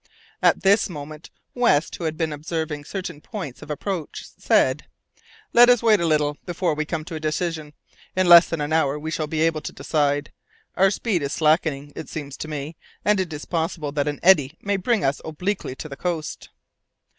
At this moment, West, who had been observing certain points of approach, said, "Let us wait a little before we come to a decision. In less than an hour we shall be able to decide. Our speed is slackening, it seems to me, and it is possible that an eddy may bring us back obliquely to the coast."